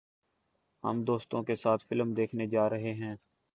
ہم دوستوں کے ساتھ فلم دیکھنے جا رہے ہیں